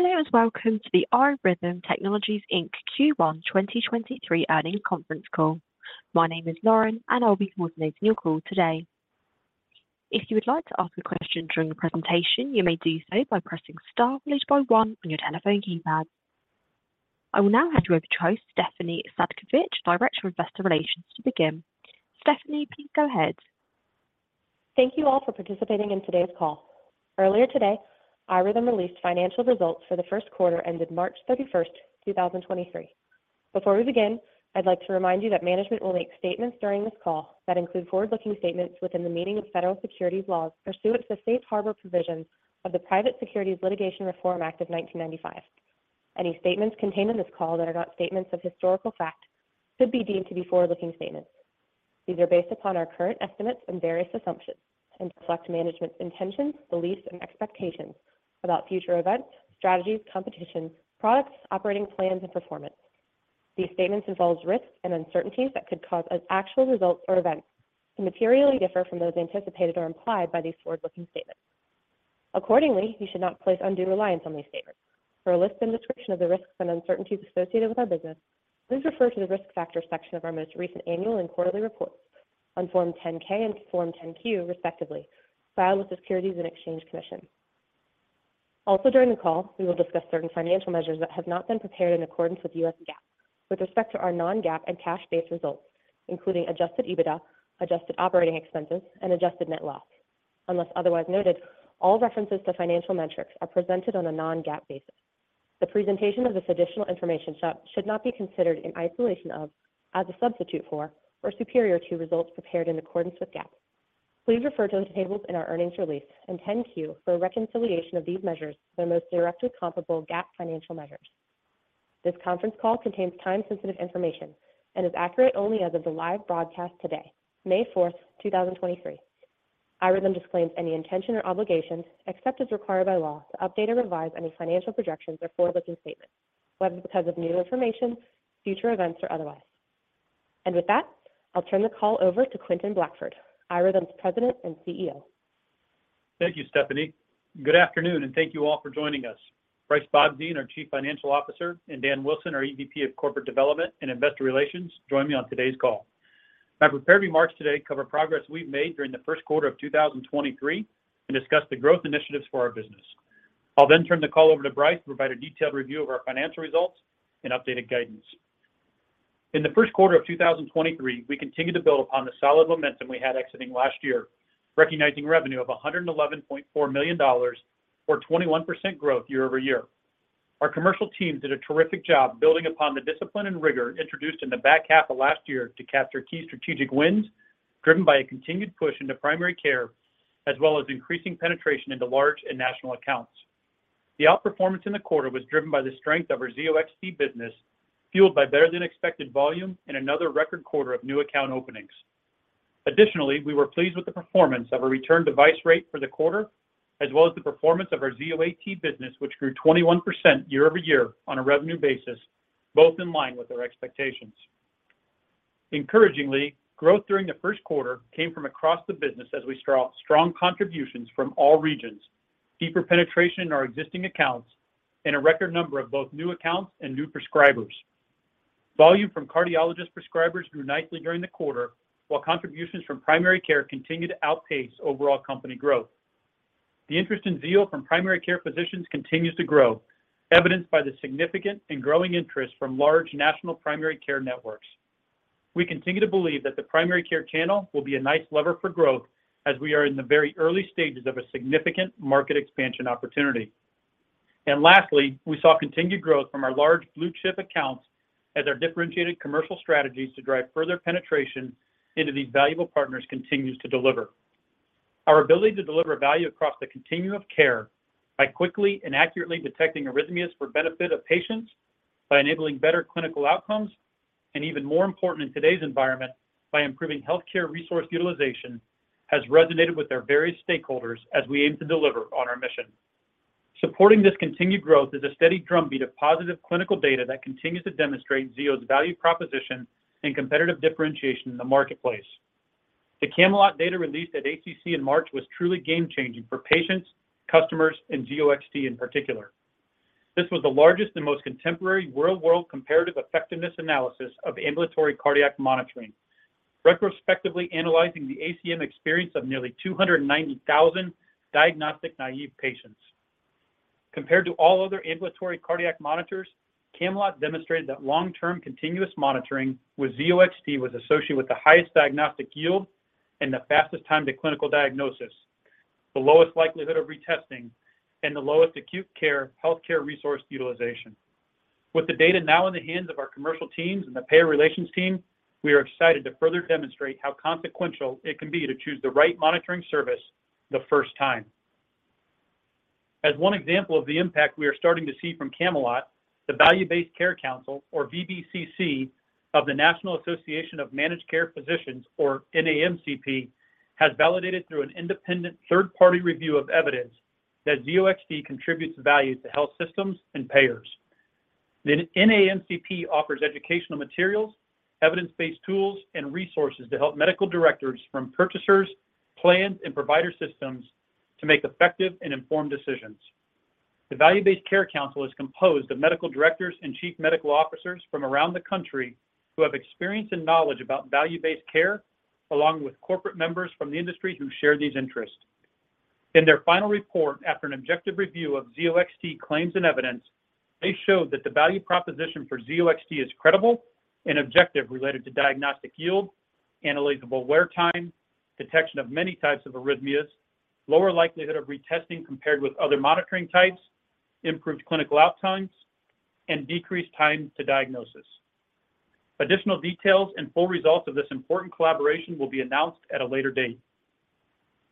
Hello, welcome to the iRhythm Technologies, Inc. Q1 2023 earnings conference call. My name is Lauren. I'll be coordinating your call today. If you would like to ask a question during the presentation, you may do so by pressing star followed by one on your telephone keypad. I will now hand you over to host Stephanie Zhadkevich, Director of Investor Relations, to begin. Stephanie, please go ahead. Thank you all for participating in today's call. Earlier today, iRhythm released financial results for the first quarter ended 31st March 2023. Before we begin, I'd like to remind you that management will make statements during this call that include forward-looking statements within the meaning of federal securities laws pursuant to safe harbor provisions of the Private Securities Litigation Reform Act of 1995. Any statements contained in this call that are not statements of historical fact could be deemed to be forward-looking statements. These are based upon our current estimates and various assumptions and reflect management's intentions, beliefs, and expectations about future events, strategies, competition, products, operating plans, and performance. These statements involve risks and uncertainties that could cause as-actual results or events to materially differ from those anticipated or implied by these forward-looking statements. Accordingly, you should not place undue reliance on these statements. For a list and description of the risks and uncertainties associated with our business, please refer to the Risk Factors section of our most recent annual and quarterly reports on Form 10-K and Form 10-Q, respectively, filed with Securities and Exchange Commission. During the call, we will discuss certain financial measures that have not been prepared in accordance with US GAAP. With respect to our non-GAAP and cash-based results, including adjusted EBITDA, adjusted operating expenses, and adjusted net loss. Unless otherwise noted, all references to financial metrics are presented on a non-GAAP basis. The presentation of this additional information should not be considered in isolation of, as a substitute for, or superior to results prepared in accordance with GAAP. Please refer to the tables in our earnings release and 10-Q for a reconciliation of these measures to their most directly comparable GAAP financial measures. This conference call contains time-sensitive information and is accurate only as of the live broadcast today, 4th May 2023. iRhythm disclaims any intention or obligation, except as required by law, to update or revise any financial projections or forward-looking statements, whether because of new information, future events, or otherwise. With that, I'll turn the call over to Quentin Blackford, iRhythm's President and CEO. Thank you, Stephanie. Good afternoon. Thank you all for joining us. Brice Bobzien, our Chief Financial Officer, and Daniel Wilson, our EVP of Corporate Development and Investor Relations, join me on today's call. My prepared remarks today cover progress we've made during the first quarter of 2023 and discuss the growth initiatives for our business. I'll turn the call over to Brice to provide a detailed review of our financial results and updated guidance. In the first quarter of 2023, we continued to build upon the solid momentum we had exiting last year, recognizing revenue of $111.4 million or 21% growth year-over-year. Our commercial team did a terrific job building upon the discipline and rigor introduced in the back half of last year to capture key strategic wins driven by a continued push into primary care, as well as increasing penetration into large and national accounts. The outperformance in the quarter was driven by the strength of our Zio XT business, fueled by better-than-expected volume and another record quarter of new account openings. Additionally, we were pleased with the performance of a returned device rate for the quarter, as well as the performance of our Zio AT business, which grew 21% year-over-year on a revenue basis, both in line with our expectations. Encouragingly, growth during the first quarter came from across the business as we saw strong contributions from all regions, deeper penetration in our existing accounts, and a record number of both new accounts and new prescribers. Volume from cardiologist prescribers grew nicely during the quarter, while contributions from primary care continued to outpace overall company growth. The interest in Zio from primary care physicians continues to grow, evidenced by the significant and growing interest from large national primary care networks. We continue to believe that the primary care channel will be a nice lever for growth as we are in the very early stages of a significant market expansion opportunity. Lastly, we saw continued growth from our large blue-chip accounts as our differentiated commercial strategies to drive further penetration into these valuable partners continues to deliver. Our ability to deliver value across the continuum of care by quickly and accurately detecting arrhythmias for benefit of patients by enabling better clinical outcomes, and even more important in today's environment, by improving healthcare resource utilization, has resonated with our various stakeholders as we aim to deliver on our mission. Supporting this continued growth is a steady drumbeat of positive clinical data that continues to demonstrate Zio's value proposition and competitive differentiation in the marketplace. The CAMELOT data released at ACC in March was truly game-changing for patients, customers, and Zio XT in particular. This was the largest and most contemporary real-world comparative effectiveness analysis of ambulatory cardiac monitoring, retrospectively analyzing the ACM experience of nearly 290,000 diagnostic-naive patients. Compared to all other ambulatory cardiac monitors, CAMELOT demonstrated that long-term continuous monitoring with Zio XT was associated with the highest diagnostic yield and the fastest time to clinical diagnosis, the lowest likelihood of retesting, and the lowest acute care healthcare resource utilization. With the data now in the hands of our commercial teams and the payer relations team, we are excited to further demonstrate how consequential it can be to choose the right monitoring service the first time. As one example of the impact we are starting to see from CAMELOT, the Value Based Care Council or VBCC of the National Association of Managed Care Physicians or NAMCP has validated through an independent third-party review of evidence that Zio XT contributes value to health systems and payers. The NAMCP offers educational materials, evidence-based tools, and resources to help medical directors from purchasers, plans, and provider systems to make effective and informed decisions. The Value Based Care Council is composed of medical directors and chief medical officers from around the country who have experience and knowledge about value-based care, along with corporate members from the industry who share these interests. In their final report after an objective review of Zio XT claims and evidence, they showed that the value proposition for Zio XT is credible and objective related to diagnostic yield, analyzable wear time, detection of many types of arrhythmias, lower likelihood of retesting compared with other monitoring types, improved clinical out times, and decreased time to diagnosis. Additional details and full results of this important collaboration will be announced at a later date.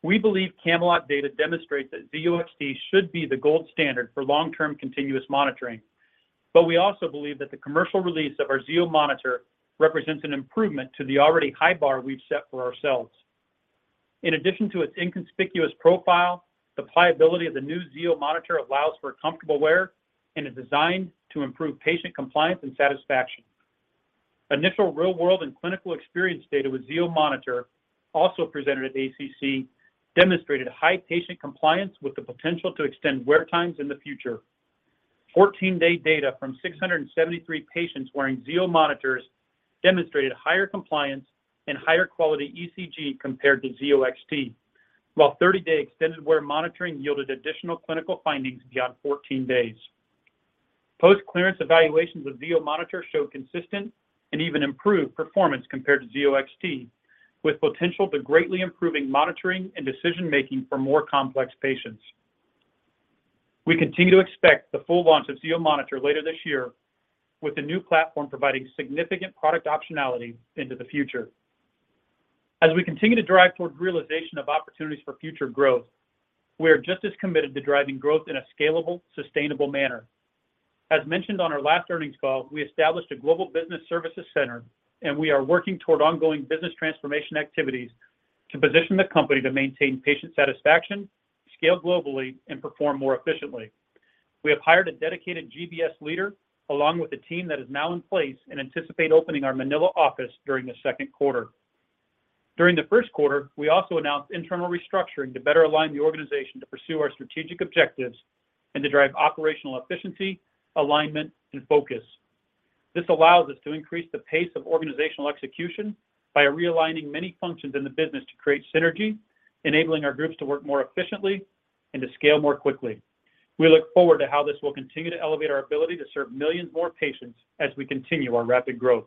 We believe CAMELOT data demonstrates that Zio XT should be the gold standard for long-term continuous monitoring. We also believe that the commercial release of our Zio monitor represents an improvement to the already high bar we've set for ourselves. In addition to its inconspicuous profile, the pliability of the new Zio monitor allows for comfortable wear and is designed to improve patient compliance and satisfaction. Initial real-world and clinical experience data with Zio monitor also presented at ACC demonstrated high patient compliance with the potential to extend wear times in the future. 14-day data from 673 patients wearing Zio monitors demonstrated higher compliance and higher quality ECG compared to Zio XT, while 30-day extended wear monitoring yielded additional clinical findings beyond 14 days. Post-clearance evaluations of Zio monitor show consistent and even improved performance compared to Zio XT, with potential to greatly improving monitoring and decision-making for more complex patients. We continue to expect the full launch of Zio monitor later this year with the new platform providing significant product optionality into the future. We continue to drive towards realization of opportunities for future growth, we are just as committed to driving growth in a scalable, sustainable manner. As mentioned on our last earnings call, we established a global business services center, and we are working toward ongoing business transformation activities to position the company to maintain patient satisfaction, scale globally, and perform more efficiently. We have hired a dedicated GBS leader along with a team that is now in place and anticipate opening our Manila office during the second quarter. During the first quarter, we also announced internal restructuring to better align the organization to pursue our strategic objectives and to drive operational efficiency, alignment, and focus. This allows us to increase the pace of organizational execution by realigning many functions in the business to create synergy, enabling our groups to work more efficiently and to scale more quickly. We look forward to how this will continue to elevate our ability to serve millions more patients as we continue our rapid growth.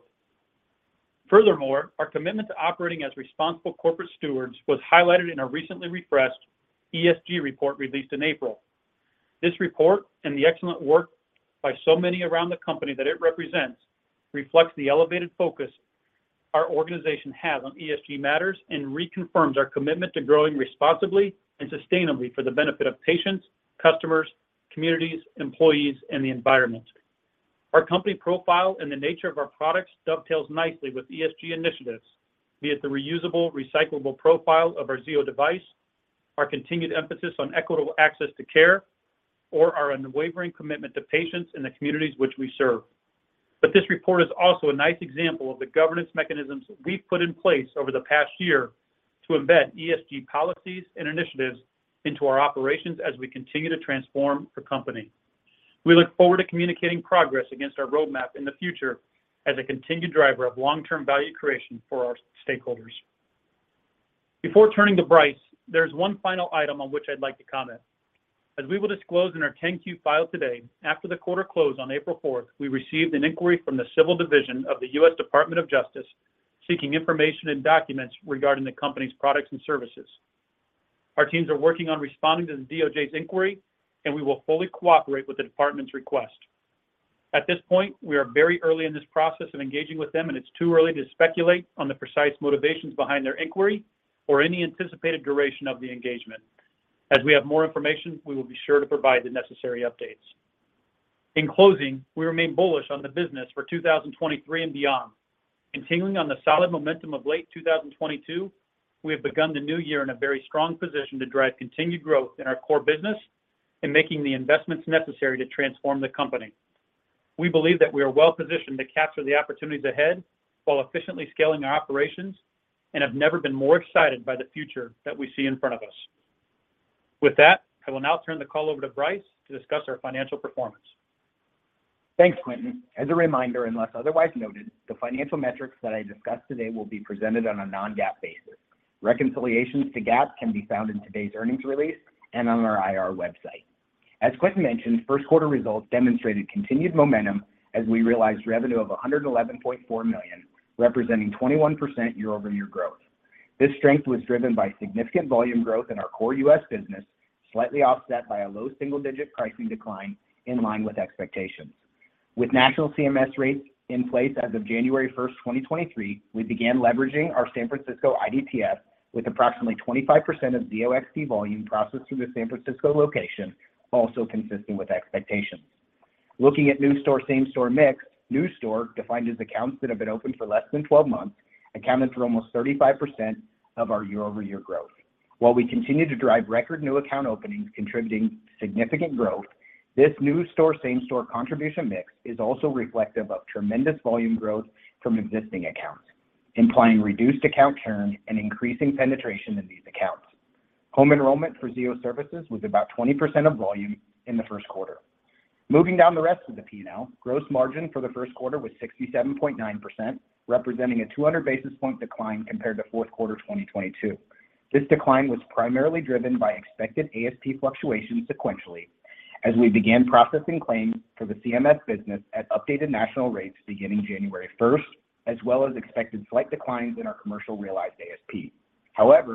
Furthermore, our commitment to operating as responsible corporate stewards was highlighted in a recently refreshed ESG report released in April. This report and the excellent work by so many around the company that it represents reflects the elevated focus our organization has on ESG matters and reconfirms our commitment to growing responsibly and sustainably for the benefit of patients, customers, communities, employees, and the environment. Our company profile and the nature of our products dovetails nicely with ESG initiatives, be it the reusable, recyclable profile of our Zio device, our continued emphasis on equitable access to care, or our unwavering commitment to patients in the communities which we serve. This report is also a nice example of the governance mechanisms we've put in place over the past year to embed ESG policies and initiatives into our operations as we continue to transform the company. We look forward to communicating progress against our roadmap in the future as a continued driver of long-term value creation for our stakeholders. Before turning to Brice, there's one final item on which I'd like to comment. As we will disclose in our 10-Q file today, after the quarter close on 4 April, we received an inquiry from the Civil Division of the U.S. Department of Justice seeking information and documents regarding the company's products and services. Our teams are working on responding to the DOJ's inquiry, and we will fully cooperate with the department's request. At this point, we are very early in this process of engaging with them, and it's too early to speculate on the precise motivations behind their inquiry or any anticipated duration of the engagement. As we have more information, we will be sure to provide the necessary updates. In closing, we remain bullish on the business for 2023 and beyond. Continuing on the solid momentum of late 2022, we have begun the new year in a very strong position to drive continued growth in our core business and making the investments necessary to transform the company. We believe that we are well-positioned to capture the opportunities ahead while efficiently scaling our operations and have never been more excited by the future that we see in front of us. With that, I will now turn the call over to Brice to discuss our financial performance. Thanks, Quentin. As a reminder, unless otherwise noted, the financial metrics that I discuss today will be presented on a non-GAAP basis. Reconciliations to GAAP can be found in today's earnings release and on our IR website. As Quentin mentioned, first quarter results demonstrated continued momentum as we realized revenue of $111.4 million, representing 21% year-over-year growth. This strength was driven by significant volume growth in our core U.S. business, slightly offset by a low single-digit pricing decline in line with expectations. With national CMS rates in place as of 1st January 2023, we began leveraging our San Francisco IDTF with approximately 25% of Zio XT volume processed through the San Francisco location, also consistent with expectations. Looking at new store, same store mix, new store defined as accounts that have been open for less than 12 months accounted for almost 35% of our year-over-year growth. While we continue to drive record new account openings contributing significant growth, this new store same store contribution mix is also reflective of tremendous volume growth from existing accounts, implying reduced account churn and increasing penetration in these accounts. Home enrollment for Zio Services was about 20% of volume in the first quarter. Moving down the rest of the P&L, gross margin for the first quarter was 67.9%, representing a 200 basis point decline compared to fourth quarter 2022. This decline was primarily driven by expected ASP fluctuations sequentially as we began processing claims for the CMS business at updated national rates beginning 1st January, as well as expected slight declines in our commercial realized ASP.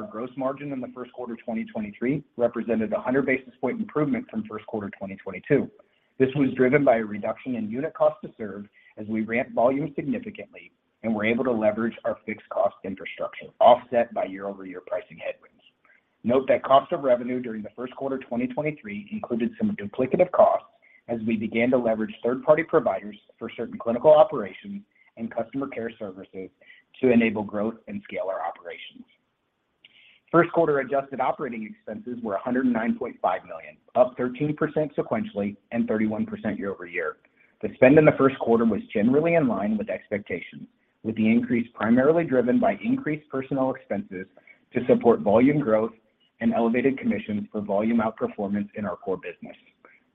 Gross margin in the first quarter 2023 represented 100 basis point improvement from first quarter 2022. This was driven by a reduction in unit cost to serve as we ramped volume significantly and were able to leverage our fixed cost infrastructure offset by year-over-year pricing headwinds. Note that cost of revenue during the first quarter 2023 included some duplicative costs as we began to leverage third-party providers for certain clinical operations and customer care services to enable growth and scale our operations. First quarter adjusted operating expenses were $109.5 million, up 13% sequentially and 31% year-over-year. The spend in the first quarter was generally in line with expectations, with the increase primarily driven by increased personnel expenses to support volume growth and elevated commissions for volume outperformance in our core business.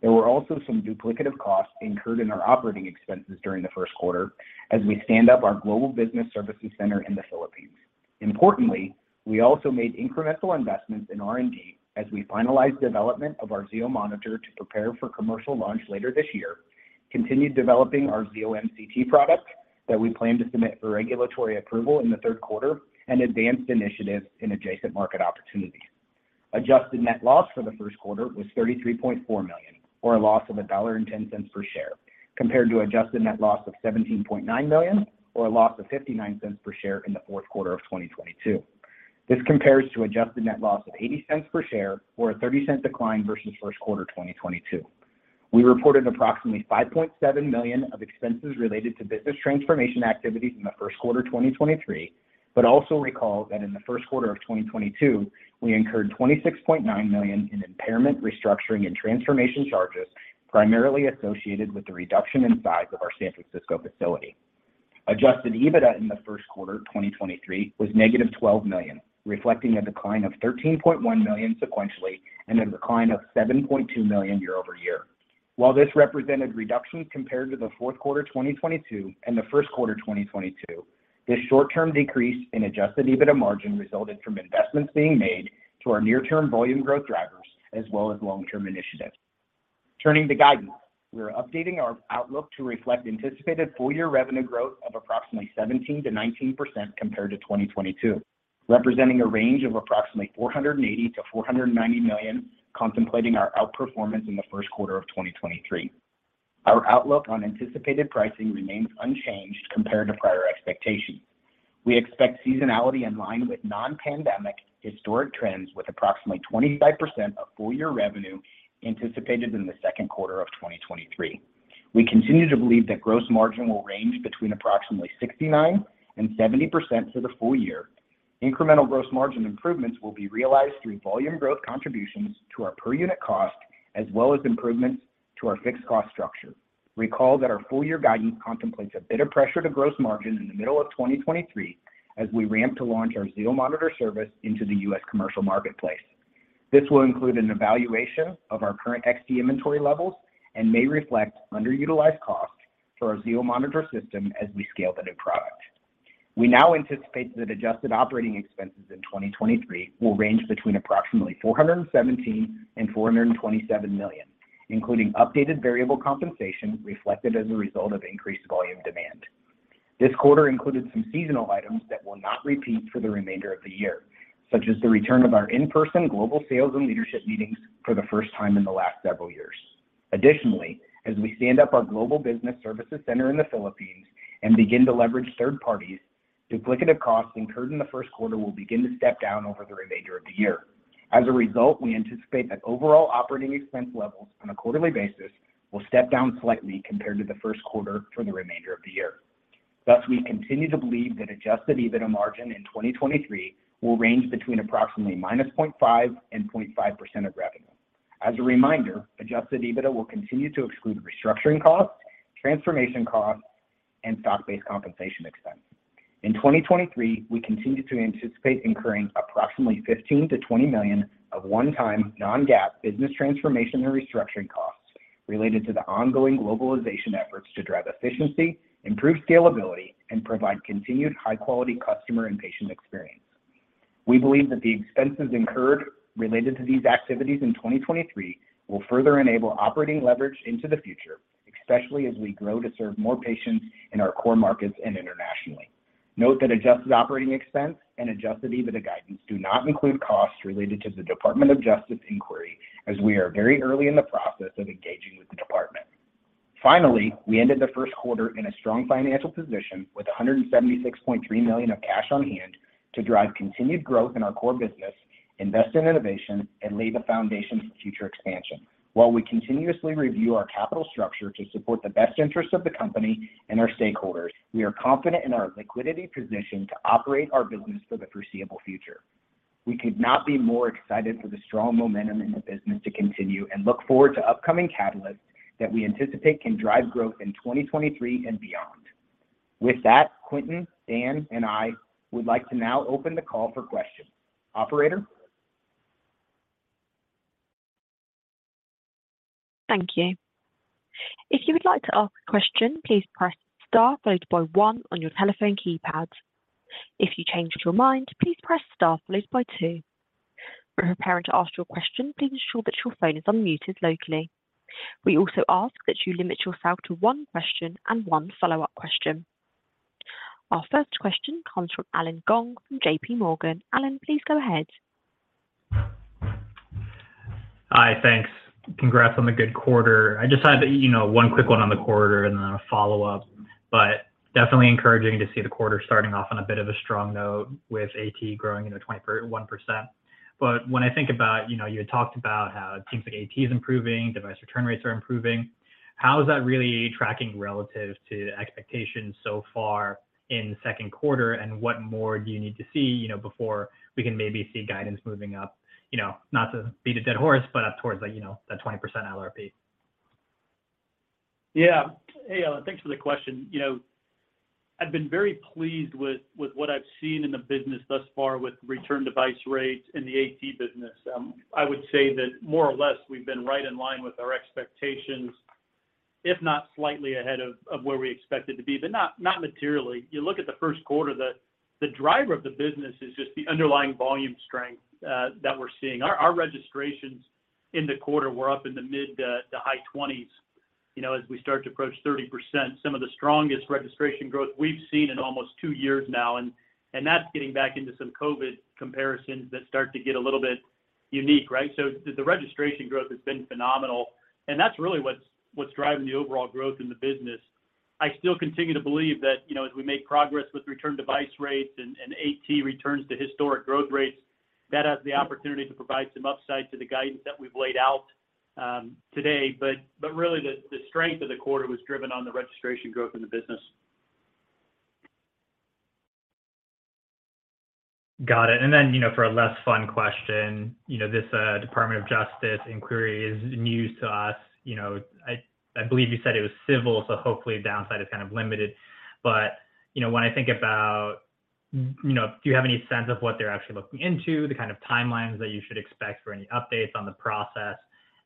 There were also some duplicative costs incurred in our operating expenses during the first quarter as we stand up our global business services center in the Philippines. Importantly, we also made incremental investments in R&D as we finalized development of our Zio monitor to prepare for commercial launch later this year, continued developing our Zio MCT product that we plan to submit for regulatory approval in the third quarter, and advanced initiatives in adjacent market opportunities. Adjusted net loss for the first quarter was $33.4 million, or a loss of $1.10 per share, compared to adjusted net loss of $17.9 million, or a loss of $0.59 per share in the fourth quarter of 2022. This compares to adjusted net loss of $0.80 per share, or a $0.30 decline versus first quarter 2022. We reported approximately $5.7 million of expenses related to business transformation activities in the first quarter 2023. Also recall that in the first quarter of 2022, we incurred $26.9 million in impairment, restructuring, and transformation charges, primarily associated with the reduction in size of our San Francisco facility. Adjusted EBITDA in the first quarter 2023 was negative $12 million, reflecting a decline of $13.1 million sequentially and a decline of $7.2 million year-over-year. While this represented reductions compared to the fourth quarter 2022 and the first quarter 2022, this short-term decrease in adjusted EBITDA margin resulted from investments being made to our near-term volume growth drivers as well as long-term initiatives. Turning to guidance, we are updating our outlook to reflect anticipated full-year revenue growth of approximately 17%-19% compared to 2022, representing a range of approximately $480 million-$490 million, contemplating our outperformance in the first quarter of 2023. Our outlook on anticipated pricing remains unchanged compared to prior expectations. We expect seasonality in line with non-pandemic historic trends with approximately 25% of full-year revenue anticipated in the second quarter of 2023. We continue to believe that gross margin will range between approximately 69% and 70% for the full year. Incremental gross margin improvements will be realized through volume growth contributions to our per unit cost as well as improvements to our fixed cost structure. Recall that our full-year guidance contemplates a bit of pressure to gross margin in the middle of 2023 as we ramp to launch our Zio monitor service into the U.S. commercial marketplace. This will include an evaluation of our current Zio XT inventory levels and may reflect underutilized costs for our Zio monitor system as we scale the new product. We now anticipate that adjusted operating expenses in 2023 will range between approximately $417 million and $427 million, including updated variable compensation reflected as a result of increased volume demand. This quarter included some seasonal items that will not repeat for the remainder of the year, such as the return of our in-person global sales and leadership meetings for the first time in the last several years. Additionally, as we stand up our global business services center in the Philippines and begin to leverage third parties, duplicative costs incurred in the first quarter will begin to step down over the remainder of the year. As a result, we anticipate that overall operating expense levels on a quarterly basis will step down slightly compared to the first quarter for the remainder of the year. Thus, we continue to believe that adjusted EBITDA margin in 2023 will range between approximately -0.5% and 0.5% of revenue. As a reminder, adjusted EBITDA will continue to exclude restructuring costs, transformation costs, and stock-based compensation expense. In 2023, we continue to anticipate incurring approximately $15 million-$20 million of one-time non-GAAP business transformation and restructuring costs related to the ongoing globalization efforts to drive efficiency, improve scalability, and provide continued high-quality customer and patient experience. We believe that the expenses incurred related to these activities in 2023 will further enable operating leverage into the future, especially as we grow to serve more patients in our core markets and internationally. Note that adjusted operating expense and adjusted EBITDA guidance do not include costs related to the Department of Justice inquiry as we are very early in the process of engaging with the department. We ended the first quarter in a strong financial position with $176.3 million of cash on hand to drive continued growth in our core business, invest in innovation, and lay the foundation for future expansion. While we continuously review our capital structure to support the best interests of the company and our stakeholders, we are confident in our liquidity position to operate our business for the foreseeable future. We could not be more excited for the strong momentum in the business to continue, look forward to upcoming catalysts that we anticipate can drive growth in 2023 and beyond. With that, Quentin, Dan, and I would like to now open the call for questions. Operator? Thank you. If you would like to ask a question, please press star followed by one on your telephone keypad. If you change your mind, please press star followed by two. When preparing to ask your question, please ensure that your phone is unmuted locally. We also ask that you limit yourself to one question and one follow-up question. Our first question comes from Allen Gong from JPMorgan. Allen, please go ahead. Hi. Thanks. Congrats on the good quarter. I just had one quick one on the quarter and then a follow-up. Definitely encouraging to see the quarter starting off on a bit of a strong note with AT growing at 21%. When I think about you had talked about how it seems like AT is improving, device return rates are improving. How is that really tracking relative to expectations so far in the second quarter, and what more do you need to see before we can maybe see guidance moving up? You know, not to beat a dead horse, but up towards that 20% LRP. Yeah. Hey, Allen, thanks for the question. You know, I've been very pleased with what I've seen in the business thus far with return device rates in the AT business. I would say that more or less we've been right in line with our expectations, if not slightly ahead of where we expected to be, but not materially. You look at the first quarter, the driver of the business is just the underlying volume strength that we're seeing. Our registrations in the quarter were up in the mid to high twenties as we start to approach 30%. Some of the strongest registration growth we've seen in almost two years now, and that's getting back into some COVID comparisons that start to get a little bit unique, right? The registration growth has been phenomenal, and that's really what's driving the overall growth in the business. I still continue to believe that as we make progress with return device rates and AT returns to historic growth rates, that has the opportunity to provide some upside to the guidance that we've laid out today. But really the strength of the quarter was driven on the registration growth in the business. Got it. You know, for a less fun question, this Department of Justice inquiry is news to us.I believe you said it was civil, so hopefully downside is kind of limited. When I think about, do you have any sense of what they're actually looking into, the kind of timelines that you should expect for any updates on the process,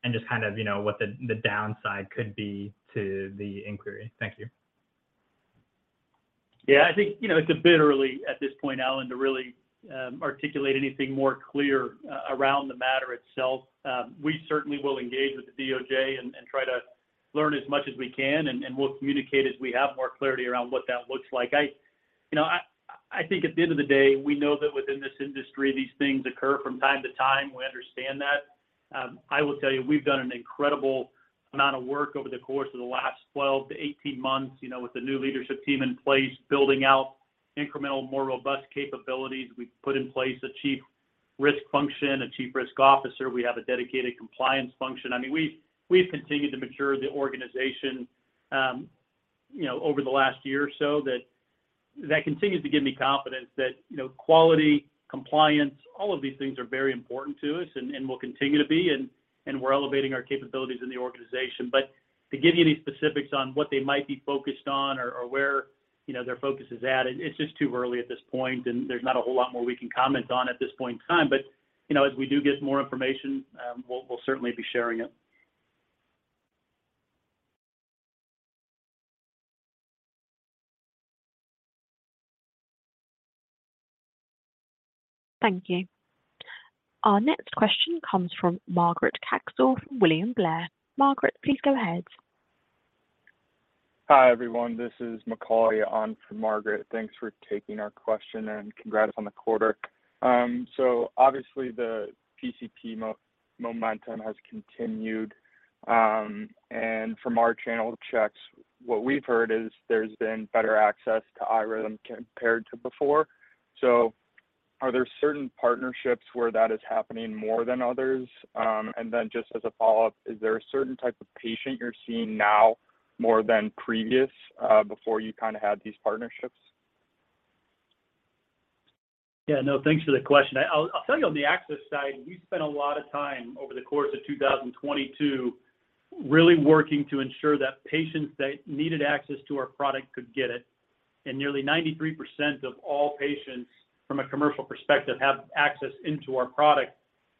and just kind of, what the downside could be to the inquiry? Thank you. I think, it's a bit early at this point, Allen Gong, to really articulate anything more clear around the matter itself. We certainly will engage with the DOJ and try to learn as much as we can, and we'll communicate as we have more clarity around what that looks like. I think at the end of the day, we know that within this industry, these things occur from time to time. We understand that. I will tell you, we've done an incredible amount of work over the course of the last 12-18 months, with the new leadership team in place, building out incremental, more robust capabilities. We've put in place a chief risk function, a chief risk officer. We have a dedicated compliance function. I mean, we've continued to mature the organization over the last year or so. That continues to give me confidence that, quality, compliance, all of these things are very important to us and will continue to be, and we're elevating our capabilities in the organization. To give you any specifics on what they might be focused on or where their focus is at, it's just too early at this point, and there's not a whole lot more we can comment on at this point in time. You know, as we do get more information, we'll certainly be sharing it. Thank you. Our next question comes from Margaret Kaczor from William Blair. Margaret, please go ahead. Hi, everyone. This is Macaulay on for Margaret. Thanks for taking our question, and congrats on the quarter. Obviously, the PCP momentum has continued, and from our channel checks, what we've heard is there's been better access to iRhythm compared to before. Are there certain partnerships where that is happening more than others? Just as a follow-up, is there a certain type of patient you're seeing now more than previous before you kind of had these partnerships? Yeah, no, thanks for the question. I'll tell you on the access side, we spent a lot of time over the course of 2022 really working to ensure that patients that needed access to our product could get it. Nearly 93% of all patients from a commercial perspective have access into our product,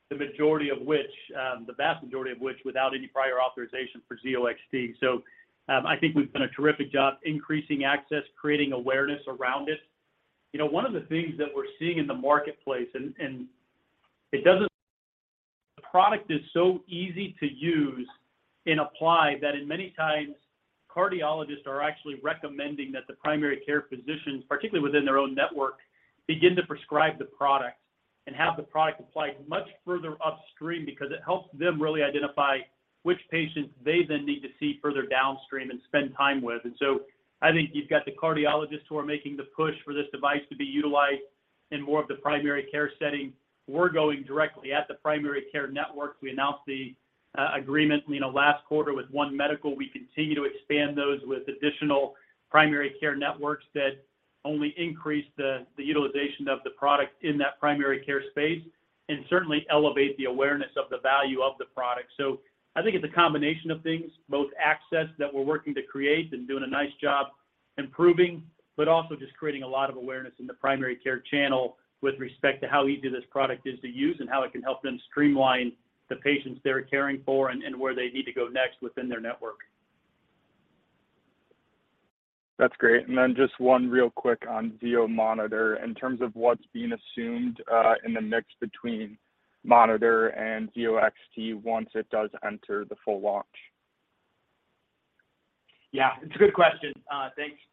the majority of which, the vast majority of which without any prior authorization for Zio XT. I think we've done a terrific job increasing access, creating awareness around it. You know, one of the things that we're seeing in the marketplace. The product is so easy to use and apply that in many times, cardiologists are actually recommending that the primary care physicians, particularly within their own network, begin to prescribe the product and have the product applied much further upstream because it helps them really identify which patients they then need to see further downstream and spend time with. I think you've got the cardiologists who are making the push for this device to be utilized in more of the primary care setting. We're going directly at the primary care networks. We announced the agreement, last quarter with One Medical. We continue to expand those with additional primary care networks that only increase the utilization of the product in that primary care space and certainly elevate the awareness of the value of the product. I think it's a combination of things, both access that we're working to create and doing a nice job improving, but also just creating a lot of awareness in the primary care channel with respect to how easy this product is to use and how it can help them streamline the patients they're caring for and where they need to go next within their network. That's great. Just one real quick on Zio monitor. In terms of what's being assumed in the mix between Monitor and Zio XT once it does enter the full launch. Yeah, it's a good question.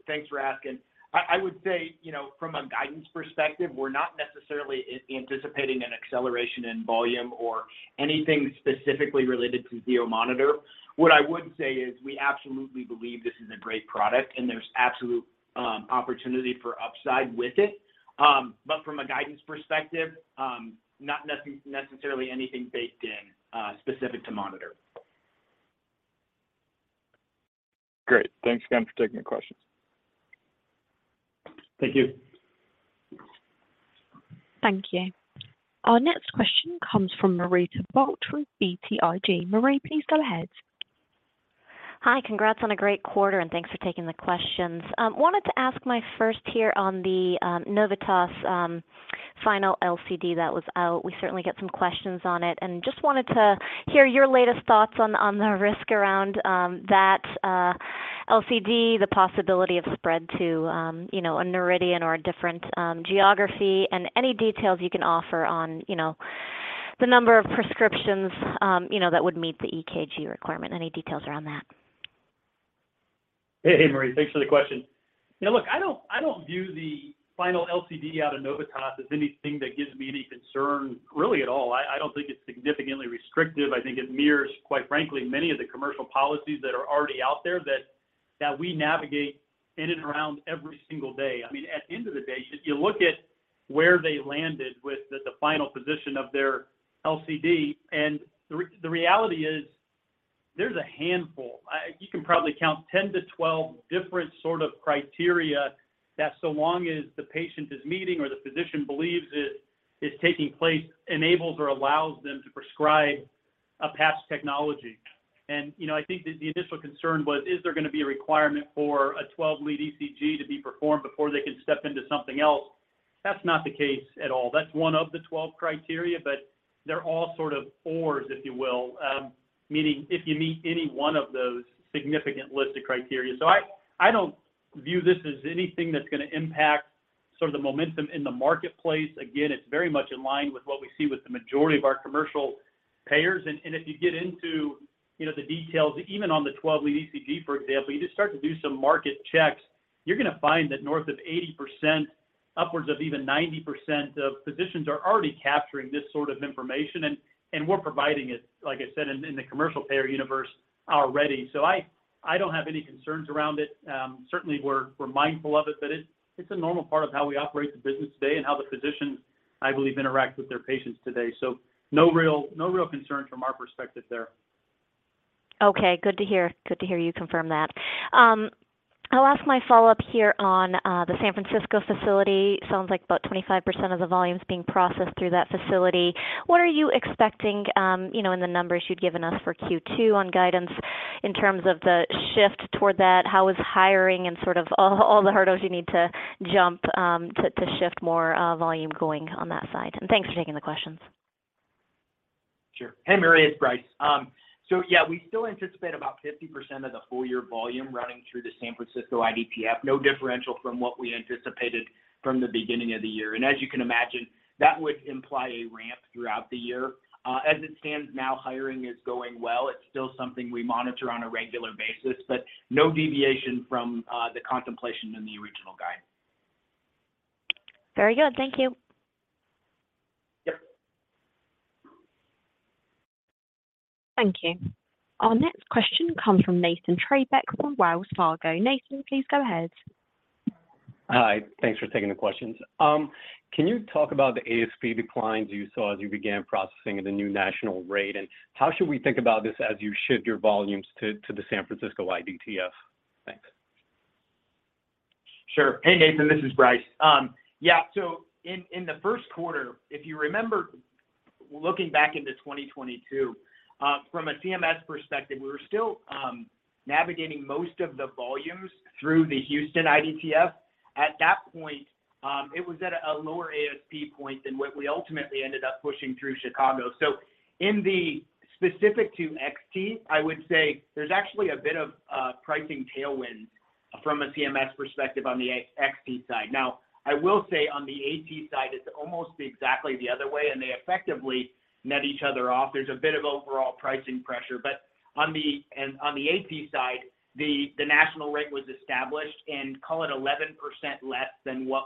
Thanks for asking. I would say from a guidance perspective, we're not necessarily anticipating an acceleration in volume or anything specifically related to Zio monitor. What I would say is we absolutely believe this is a great product, and there's absolute opportunity for upside with it. From a guidance perspective, not necessarily anything baked in specific to Monitor. Great. Thanks again for taking the questions. Thank you. Thank you. Our next question comes from Marie Thibault with BTIG. Marie, please go ahead. Hi. Congrats on a great quarter, and thanks for taking the questions. Wanted to ask my first here on the Novitas final LCD that was out. We certainly get some questions on it, just wanted to hear your latest thoughts on the risk around that LCD, the possibility of spread to, you know, a Noridian or a different geography, any details you can offer on, you know, the number of prescriptions, you know, that would meet the EKG requirement. Any details around that? Hey, Marie. Thanks for the question. Yeah, look, I don't view the final LCD out of Novitas as anything that gives me any concern really at all. I don't think it's significantly restrictive. I think it mirrors, quite frankly, many of the commercial policies that are already out there that we navigate in and around every single day. I mean, at the end of the day, you look at where they landed with the final position of their LCD, and the reality is there's a handful. You can probably count 10-12 different sort of criteria that so long as the patient is meeting or the physician believes it is taking place, enables or allows them to prescribe a path technology. You know, I think the initial concern was, is there gonna be a requirement for a 12-lead ECG to be performed before they can step into something else? That's not the case at all. That's one of the 12 criteria, but they're all sort of ors, if you will. Meaning if you meet any one of those significant list of criteria. I don't view this as anything that's gonna impact sort of the momentum in the marketplace. Again, it's very much in line with what we see with the majority of our commercial payers. If you get into the details, even on the 12-lead ECG, for example, you just start to do some market checks, you're gonna find that north of 80%, upwards of even 90% of physicians are already capturing this sort of information. We're providing it, like I said, in the commercial payer universe already. I don't have any concerns around it. Certainly we're mindful of it, but it's a normal part of how we operate the business today and how the physicians, I believe, interact with their patients today. No real concern from our perspective there. Okay, good to hear. Good to hear you confirm that. I'll ask my follow-up here on the San Francisco facility. Sounds like about 25% of the volume is being processed through that facility. What are you expecting, in the numbers you'd given us for Q2 on guidance in terms of the shift toward that? How is hiring and sort of all the hurdles you need to jump to shift more volume going on that side? Thanks for taking the questions. Sure. Hey, Marie, it's Brice. Yeah, we still anticipate about 50% of the full year volume running through the San Francisco IDTF. No differential from what we anticipated from the beginning of the year. As you can imagine, that would imply a ramp throughout the year. As it stands now, hiring is going well. It's still something we monitor on a regular basis, but no deviation from the contemplation in the original guide. Very good. Thank you. Yep. Thank you. Our next question comes from Nathan Treybeck from Wells Fargo. Nathan, please go ahead. Hi. Thanks for taking the questions. Can you talk about the ASP declines you saw as you began processing at the new national rate? How should we think about this as you shift your volumes to the San Francisco IDTF? Thanks. Sure. Hey, Nathan, this is Brice. Yeah. In the first quarter, if you remember looking back into 2022, from a CMS perspective, we were still navigating most of the volumes through the Houston IDTF. At that point, it was at a lower ASP point than what we ultimately ended up pushing through Chicago. In the specific to XT, I would say there's actually a bit of pricing tailwind from a CMS perspective on the XT side. Now, I will say on the AT side, it's almost exactly the other way, and they effectively net each other off. There's a bit of overall pricing pressure. On the AT side, the national rate was established and call it 11% less than what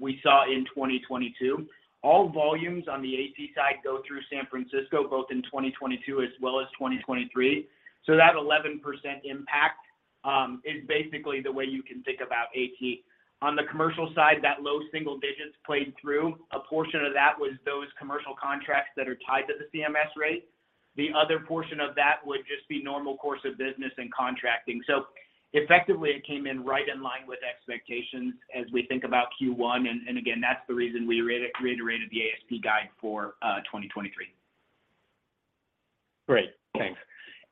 we saw in 2022. All volumes on the AT side go through San Francisco, both in 2022 as well as 2023. That 11% impact is basically the way you can think about AT. On the commercial side, that low single digits played through. A portion of that was those commercial contracts that are tied to the CMS rate. The other portion of that would just be normal course of business and contracting. Effectively, it came in right in line with expectations as we think about Q1, and again, that's the reason we reiterated the ASP guide for 2023. Great. Thanks.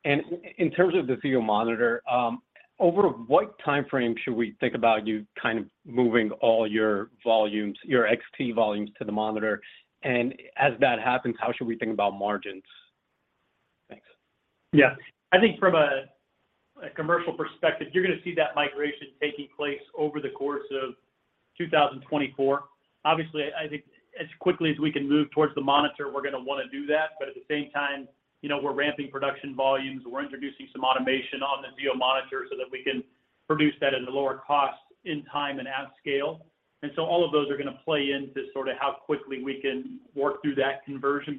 In terms of the Zio monitor, over what time frame should we think about you kind of moving all your volumes, your XT volumes to the monitor? As that happens, how should we think about margins? Thanks. Yeah. I think from a commercial perspective, you're gonna see that migration taking place over the course of 2024. Obviously, I think as quickly as we can move towards the monitor, we're gonna wanna do that. At the same time, we're ramping production volumes, we're introducing some automation on the Zio monitor so that we can produce that at a lower cost in time and at scale. All of those are gonna play into sort of how quickly we can work through that conversion,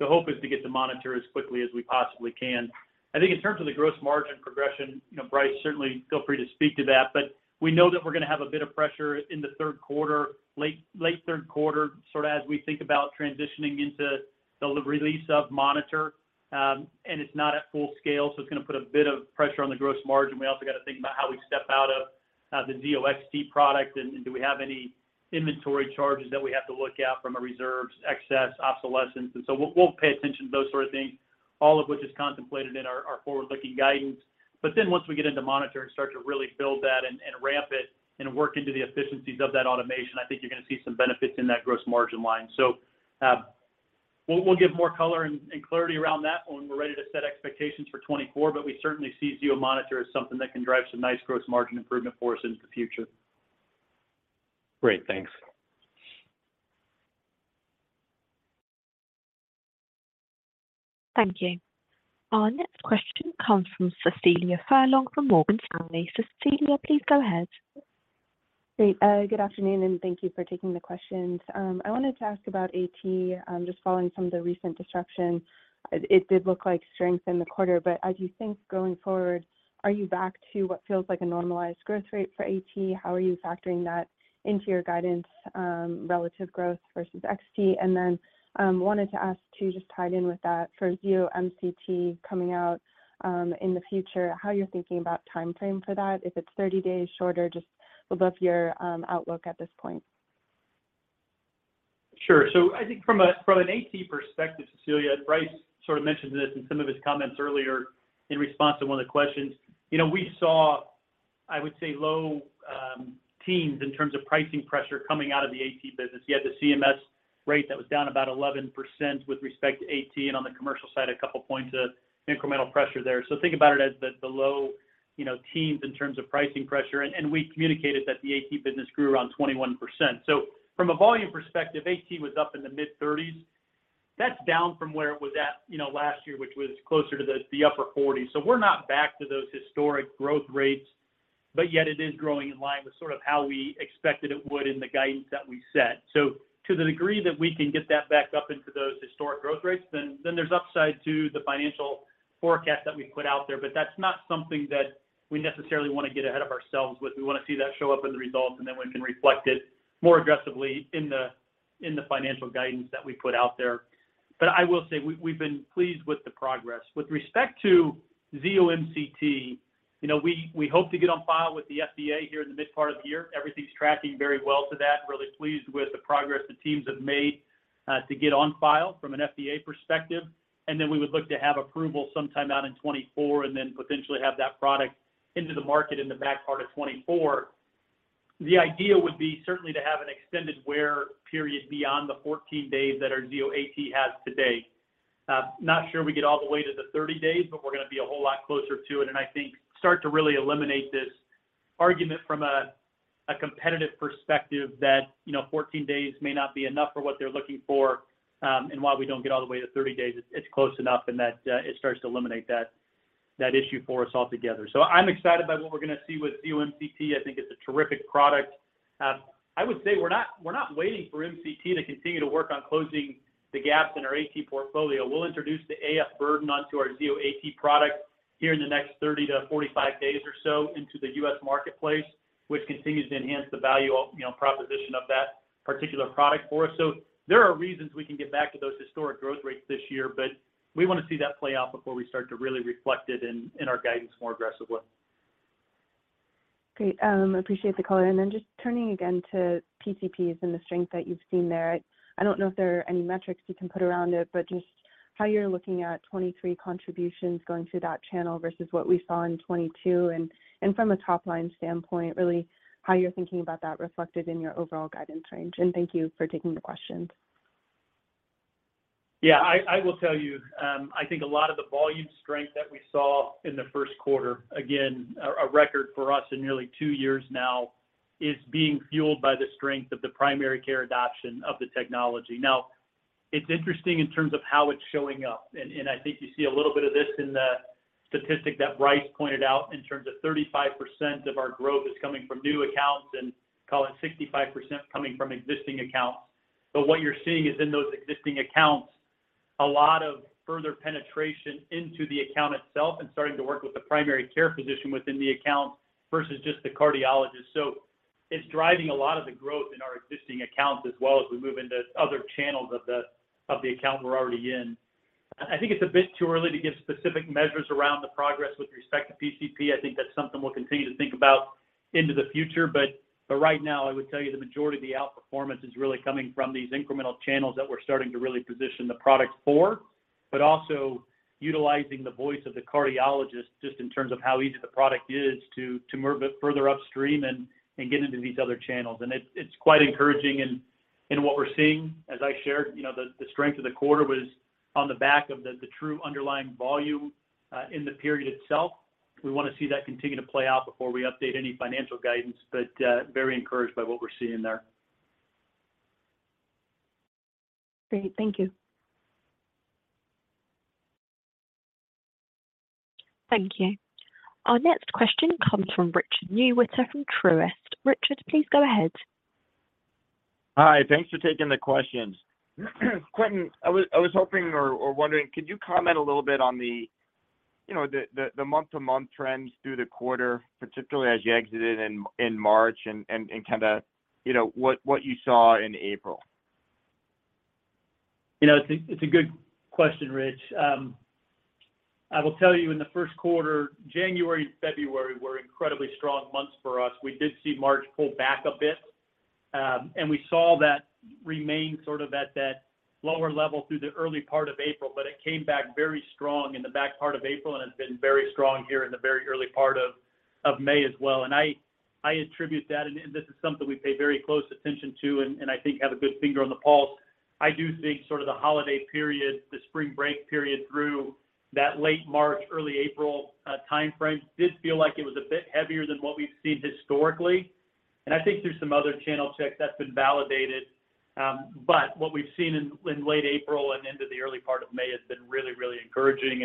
the hope is to get to monitor as quickly as we possibly can. I think in terms of the gross margin progression, Brice, certainly feel free to speak to that, but we know that we're gonna have a bit of pressure in the third quarter, late third quarter, sort of as we think about transitioning into the release of monitor, and it's not at full scale, so it's gonna put a bit of pressure on the gross margin. We also got to think about how we step out of the Zio XT product, and do we have any inventory charges that we have to look at from a reserves, excess, obsolescence. We'll pay attention to those sort of things, all of which is contemplated in our forward-looking guidance. Once we get into monitor and start to really build that and ramp it and work into the efficiencies of that automation, I think you're gonna see some benefits in that gross margin line. We'll give more color and clarity around that when we're ready to set expectations for 2024, but we certainly see Zio monitor as something that can drive some nice gross margin improvement for us into the future. Great. Thanks. Thank you. Our next question comes from Cecilia Furlong from Morgan Stanley. Cecilia, please go ahead. Great. good afternoon, and thank you for taking the questions. I wanted to ask about AT, just following some of the recent disruption. It did look like strength in the quarter, but as you think going forward, are you back to what feels like a normalized growth rate for AT? How are you factoring that into your guidance, relative growth versus XT? Wanted to ask too, just tied in with that for Zio MCT coming out, in the future, how you're thinking about timeframe for that, if it's 30 days shorter, just would love your outlook at this point. Sure. I think from an AT perspective, Cecilia, Brice sort of mentioned this in some of his comments earlier in response to one of the questions. You know, we saw, I would say low teens in terms of pricing pressure coming out of the AT business. You had the CMS rate that was down about 11% with respect to AT, and on the commercial side, a couple points of incremental pressure there. Think about it as the low teens in terms of pricing pressure, and we communicated that the AT business grew around 21%. From a volume perspective, AT was up in the mid-30s. That's down from where it was at last year, which was closer to the upper 40s. We're not back to those historic growth rates, but yet it is growing in line with sort of how we expected it would in the guidance that we set. To the degree that we can get that back up into those historic growth rates, then there's upside to the financial forecast that we put out there. That's not something that we necessarily wanna get ahead of ourselves with. We wanna see that show up in the results, and then we can reflect it more aggressively in the, in the financial guidance that we put out there. I will say we've been pleased with the progress. With respect to Zio MCT we hope to get on file with the FDA here in the mid part of the year. Everything's tracking very well to that. Really pleased with the progress the teams have made to get on file from an FDA perspective. We would look to have approval sometime out in 2024 and then potentially have that product into the market in the back part of 2024. The idea would be certainly to have an extended wear period beyond the 14 days that our Zio AT has today. Not sure we get all the way to the 30 days, but we're gonna be a whole lot closer to it, and I think start to really eliminate this argument from a competitive perspective that, 14 days may not be enough for what they're looking for. While we don't get all the way to 30 days, it's close enough in that it starts to eliminate that issue for us altogether. I'm excited by what we're gonna see with Zio MCT. I think it's a terrific product. I would say we're not waiting for MCT to continue to work on closing the gaps in our AT portfolio. We'll introduce the AF burden onto our Zio AT product here in the next 30 to 45 days or so into the U.S. marketplace, which continues to enhance the value of proposition of that particular product for us. There are reasons we can get back to those historic growth rates this year, but we wanna see that play out before we start to really reflect it in our guidance more aggressively. Great. Appreciate the color. Just turning again to PCPs and the strength that you've seen there. I don't know if there are any metrics you can put around it, but just how you're looking at 2023 contributions going through that channel versus what we saw in 2022 and from a top-line standpoint, really how you're thinking about that reflected in your overall guidance range? Thank you for taking the questions. I will tell you, I think a lot of the volume strength that we saw in the first quarter, again, a record for us in nearly two years now, is being fueled by the strength of the primary care adoption of the technology. It's interesting in terms of how it's showing up. I think you see a little bit of this in the statistic that Brice pointed out in terms of 35% of our growth is coming from new accounts and call it 65% coming from existing accounts. What you're seeing is in those existing accounts, a lot of further penetration into the account itself and starting to work with the primary care physician within the account versus just the cardiologist. It's driving a lot of the growth in our existing accounts as well as we move into other channels of the account we're already in. I think it's a bit too early to give specific measures around the progress with respect to PCP. I think that's something we'll continue to think about into the future. Right now, I would tell you the majority of the outperformance is really coming from these incremental channels that we're starting to really position the product for, but also utilizing the voice of the cardiologist, just in terms of how easy the product is to move it further upstream and get into these other channels. It's quite encouraging in what we're seeing. As I shared, the strength of the quarter was on the back of the true underlying volume in the period itself. We wanna see that continue to play out before we update any financial guidance. Very encouraged by what we're seeing there. Great. Thank you. Thank you. Our next question comes from Richard Newitter from Truist. Richard, please go ahead. Hi. Thanks for taking the questions. Quentin, I was hoping or wondering, could you comment a little bit on the month-to-month trends through the quarter, particularly as you exited in March and kinda, what you saw in April? You know, it's a good question, Rich. I will tell you in the first quarter, January and February were incredibly strong months for us. We did see March pull back a bit. We saw that remain sort of at that lower level through the early part of April, but it came back very strong in the back part of April and has been very strong here in the very early part of May as well. I attribute that, and this is something we pay very close attention to and I think have a good finger on the pulse. I do think sort of the holiday period, the spring break period through that late March, early April timeframe did feel like it was a bit heavier than what we've seen historically. I think through some other channel checks that's been validated. What we've seen in late April and into the early part of May has been really, really encouraging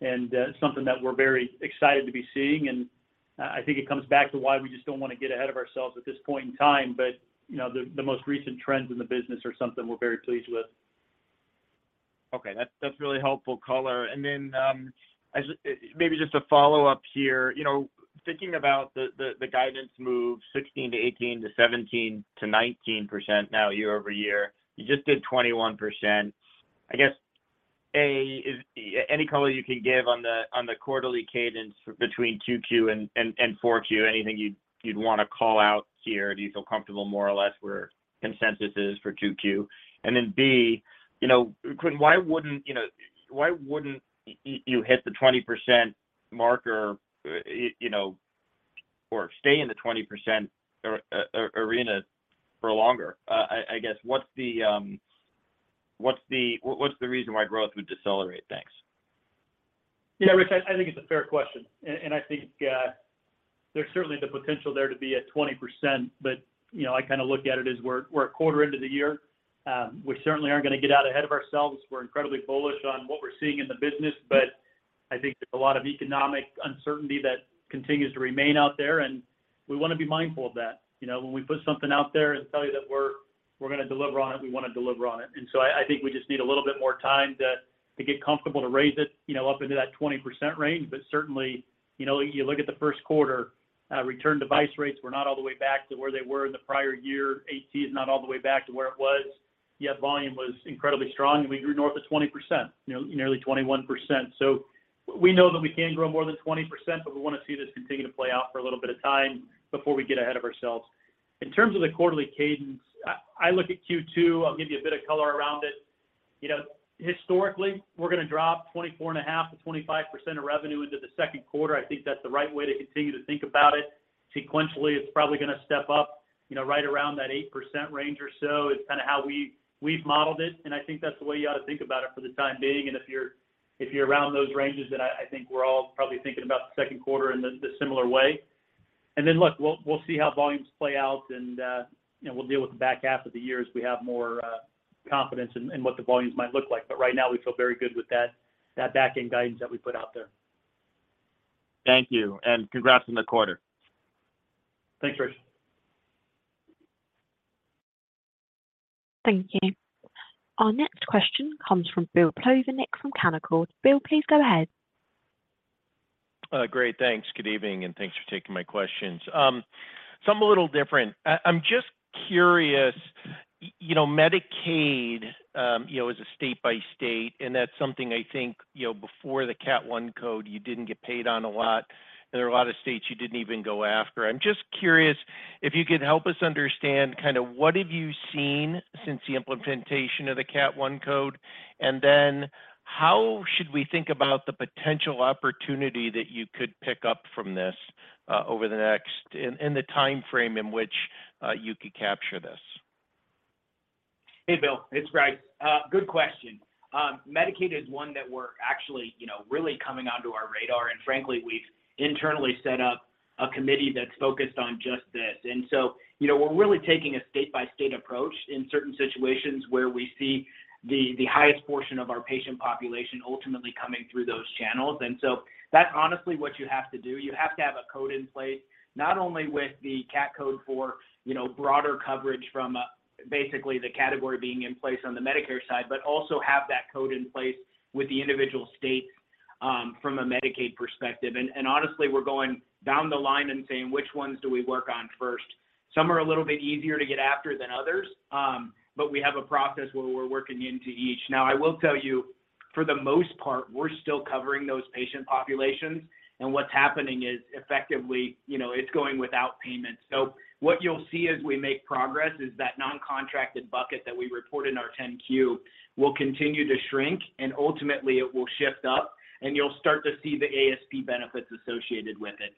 and something that we're very excited to be seeing. I think it comes back to why we just don't wanna get ahead of ourselves at this point in time. You know, the most recent trends in the business are something we're very pleased with. Okay. That's, that's really helpful color. Maybe just a follow-up here. You know, thinking about the guidance move 16-18 to 17%-19% now year-over-year, you just did 21%. I guess, A, is any color you can give on the quarterly cadence between 2Q and 4Q, anything you'd wanna call out here? Do you feel comfortable more or less where consensus is for 2Q? B, Quentin, why wouldn't you hit the 20% marker, or stay in the 20% arena for longer? I guess, what's the reason why growth would decelerate? Thanks. Yeah. Rich, I think it's a fair question. I think, there's certainly the potential there to be at 20%, you know, I kinda look at it as we're a quarter into the year. We certainly aren't gonna get out ahead of ourselves. We're incredibly bullish on what we're seeing in the business, I think there's a lot of economic uncertainty that continues to remain out there. We wanna be mindful of that. You know, when we put something out there and tell you that we're gonna deliver on it, we wanna deliver on it. I think we just need a little bit more time to get comfortable to raise it, up into that 20% range. Certainly, you look at the first quarter, return to device rates were not all the way back to where they were in the prior year. Zio AT is not all the way back to where it was. Yet volume was incredibly strong, and we grew north of 20%, nearly 21%. We know that we can grow more than 20%, but we wanna see this continue to play out for a little bit of time before we get ahead of ourselves. In terms of the quarterly cadence, I look at Q2, I'll give you a bit of color around it. You know, historically, we're gonna drop 24.5%-25% of revenue into the second quarter. I think that's the right way to continue to think about it. Sequentially, it's probably gonna step up, right around that 8% range or so is kinda how we've modeled it, and I think that's the way you ought to think about it for the time being. If you're, if you're around those ranges, then I think we're all probably thinking about the second quarter in the similar way. Then look, we'll see how volumes play out and, we'll deal with the back half of the year as we have more confidence in what the volumes might look like. Right now, we feel very good with that back end guidance that we put out there. Thank you, congrats on the quarter. Thanks, Rich. Thank you. Our next question comes from Bill Plovanic from Canaccord. Bill, please go ahead. Great. Thanks. Good evening, and thanks for taking my questions. I'm a little different. I'm just curious, you know, Medicaid, you know, is a state by state, and that's something I think, you know, before the Category I code, you didn't get paid on a lot, and there are a lot of states you didn't even go after. I'm just curious if you could help us understand kinda what have you seen since the implementation of the Category I code? How should we think about the potential opportunity that you could pick up from this over the next and the timeframe in which you could capture this? Hey, Bill. It's Greg. good question. Medicaid is one that we're actually really coming onto our radar, and frankly, we've internally set up a committee that's focused on just this. You know, we're really taking a state by state approach in certain situations where we see the highest portion of our patient population ultimately coming through those channels. That's honestly what you have to do. You have to have a code in place, not only with the Cat code for broader coverage from, basically the category being in place on the Medicare side, but also have that code in place with the individual states. From a Medicaid perspective, honestly, we're going down the line and saying which ones do we work on first. Some are a little bit easier to get after than others, but we have a process where we're working into each. Now, I will tell you, for the most part, we're still covering those patient populations. What's happening is effectively, it's going without payment. What you'll see as we make progress is that non-contracted bucket that we report in our 10-Q will continue to shrink, and ultimately it will shift up and you'll start to see the ASP benefits associated with it.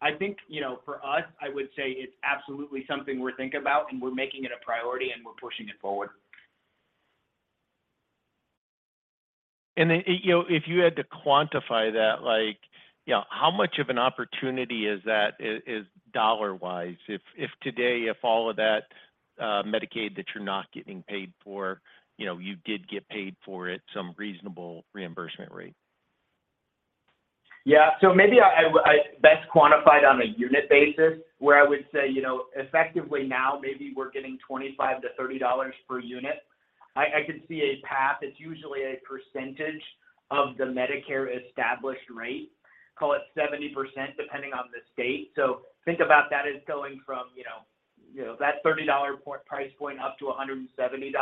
I think for us, I would say it's absolutely something we're thinking about, and we're making it a priority and we're pushing it forward. Then, if you had to quantify that, how much of an opportunity is that is dollar-wise? If, if today, if all of that, Medicaid that you're not getting paid for, you did get paid for it some reasonable reimbursement rate. Yeah. Maybe I best quantify it on a unit basis where I would say, effectively now maybe we're getting $25-$30 per unit. I can see a path. It's usually a percentage of the Medicare established rate, call it 70%, depending on the state. Think about that as going from, that $30 point price point up to $170.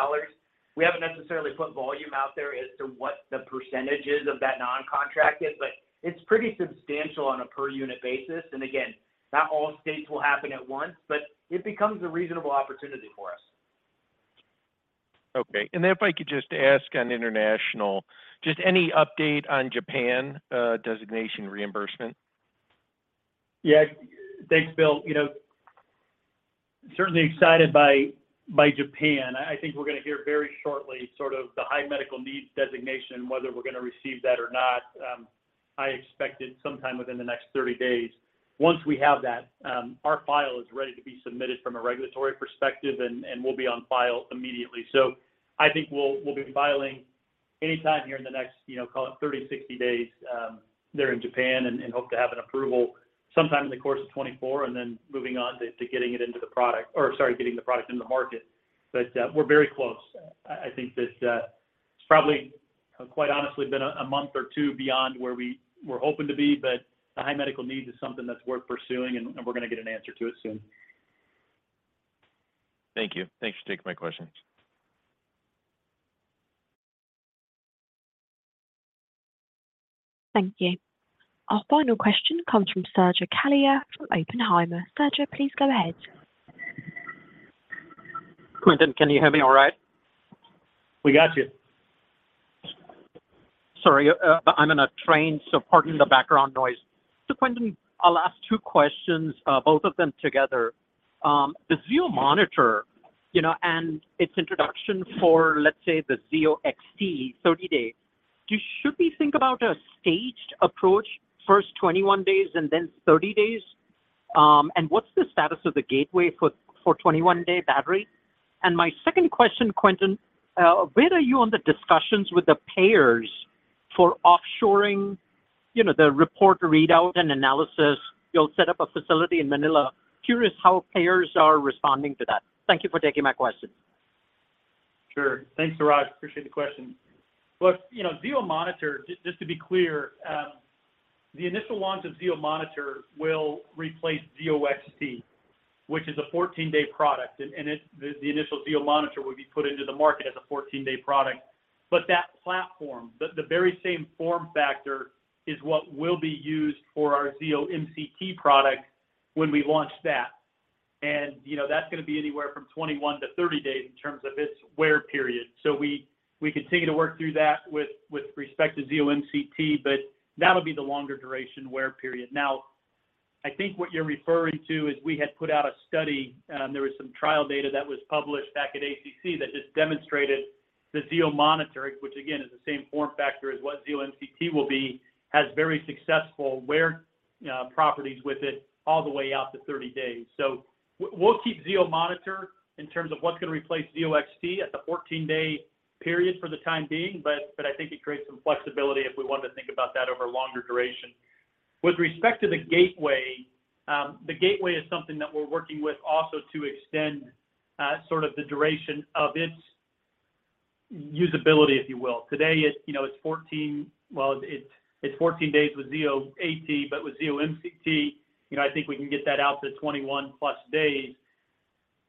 We haven't necessarily put volume out there as to what the percentage is of that non-contract is, but it's pretty substantial on a per unit basis. Again, not all states will happen at once, but it becomes a reasonable opportunity for us. Okay. If I could just ask on international, just any update on Japan, designation reimbursement? Yeah. Thanks, Bill. You know, certainly excited by Japan. I think we're gonna hear very shortly sort of the high medical needs designation, whether we're gonna receive that or not. I expect it sometime within the next 30 days. Once we have that, our file is ready to be submitted from a regulatory perspective and will be on file immediately. I think we'll be filing anytime here in the next, call it 30-60 days there in Japan and hope to have an approval sometime in the course of 2024, and then moving on to getting it into the product or, sorry, getting the product into the market. We're very close. I think this, it's probably quite honestly been a month or two beyond where we were hoping to be. The high medical needs is something that's worth pursuing and we're gonna get an answer to it soon. Thank you. Thanks for taking my questions. Thank you. Our final question comes from Suraj Kalia from Oppenheimer. Suraj, please go ahead. Quentin, can you hear me all right? We got you. Sorry, but I'm in a train, so pardon the background noise. Quentin, I'll ask two questions, both of them together. The Zio monitor and its introduction for, let's say, the Zio XT, 30-day. Should we think about a staged approach, first 21 days and then 30 days? What's the status of the gateway for 21-day battery? My second question, Quentin, where are you on the discussions with the payers for offshoring, the report readout and analysis? You'll set up a facility in Manila. Curious how payers are responding to that. Thank you for taking my questions. Sure. Thanks, Suraj. Appreciate the question. Look, Zio monitor, just to be clear, the initial launch of Zio monitor will replace Zio XT, which is a 14-day product, and the initial Zio monitor will be put into the market as a 14-day product. That platform, the very same form factor is what will be used for our Zio MCT product when we launch that. You know, that's gonna be anywhere from 21-30 days in terms of its wear period. We continue to work through that with respect to Zio MCT, but that'll be the longer duration wear period. I think what you're referring to is we had put out a study, there was some trial data that was published back at ACC that just demonstrated the Zio monitoring, which again is the same form factor as what Zio MCT will be, has very successful wear properties with it all the way out to 30 days. We'll keep Zio Monitor in terms of what's gonna replace Zio XT at the 14-day period for the time being, but I think it creates some flexibility if we wanted to think about that over a longer duration. With respect to the gateway, the gateway is something that we're working with also to extend sort of the duration of its usability, if you will. Today it's 14. Well, it's 14 days with Zio AT, with Zio MCT, I think we can get that out to 21+ days.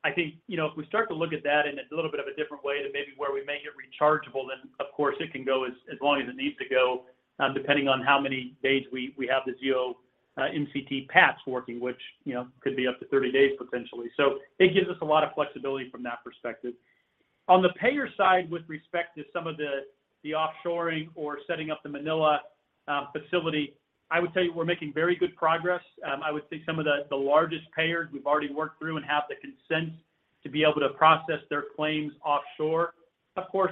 I think if we start to look at that in a little bit of a different way to maybe where we make it rechargeable, of course it can go as long as it needs to go, depending on how many days we have the Zio MCT patch working, which, could be up to 30 days potentially. It gives us a lot of flexibility from that perspective. On the payer side with respect to some of the offshoring or setting up the Manila facility, I would tell you we're making very good progress. I would say some of the largest payers we've already worked through and have the consent to be able to process their claims offshore.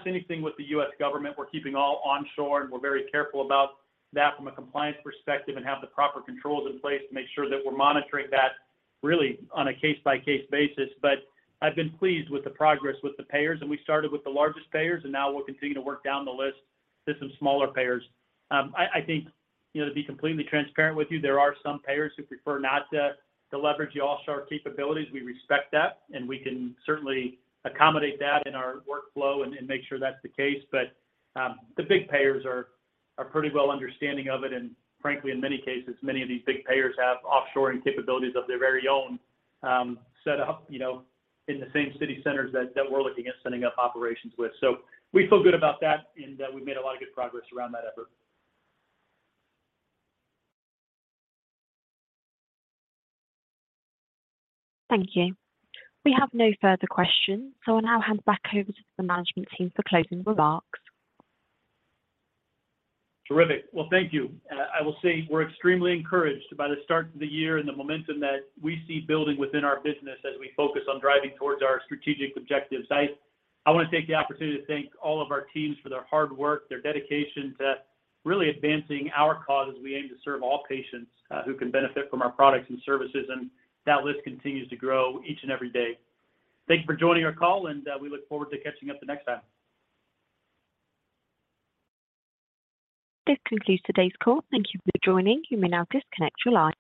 Anything with the U.S. government, we're keeping all onshore, and we're very careful about that from a compliance perspective and have the proper controls in place to make sure that we're monitoring that really on a case-by-case basis. I've been pleased with the progress with the payers, and we started with the largest payers, and now we're continuing to work down the list to some smaller payers. I think, to be completely transparent with you, there are some payers who prefer not to leverage the offshore capabilities. We respect that, and we can certainly accommodate that in our workflow and make sure that's the case. The big payers are pretty well understanding of it. Frankly, in many cases, many of these big payers have offshoring capabilities of their very own, set up, in the same city centers that we're looking at setting up operations with. We feel good about that in that we've made a lot of good progress around that effort. Thank you. We have no further questions. I'll now hand back over to the management team for closing remarks. Terrific. Well, thank you. I will say we're extremely encouraged by the start of the year and the momentum that we see building within our business as we focus on driving towards our strategic objectives. I wanna take the opportunity to thank all of our teams for their hard work, their dedication to really advancing our cause as we aim to serve all patients who can benefit from our products and services. That list continues to grow each and every day. Thank you for joining our call, and we look forward to catching up the next time. This concludes today's call. Thank you for joining. You may now disconnect your lines.